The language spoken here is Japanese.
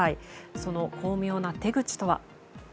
その巧妙な手口とは。